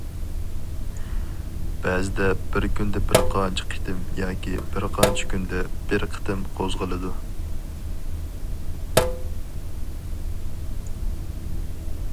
بەزىدە بىر كۈندە بىر قانچە قېتىم ياكى بىر قانچە كۈندە بىر قېتىم قوزغىلىدۇ.